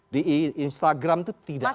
di instagram itu tidak ada